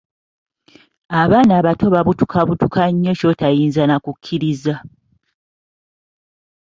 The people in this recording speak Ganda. Abaana abato babutukabutuka nnyo kyotayinza nakukkiriza.